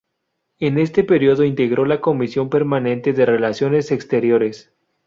En este período integró la comisión permanente de Relaciones Exteriores.